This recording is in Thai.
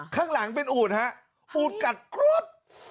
ข้างหลังเป็นอูดฮะอูดกัดกรุ๊ด